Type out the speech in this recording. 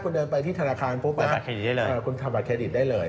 คุณเดินไปที่ธนาคารปุ๊บคุณทำบัตรเครดิตได้เลย